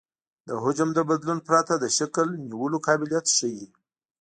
د حجم له بدلون پرته د شکل نیولو قابلیت ښیي